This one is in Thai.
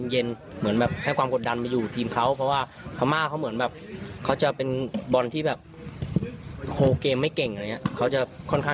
เย็นเหมือนแบบแค่ความกดดันมาอยู่กับทีมเขาเพราะว่า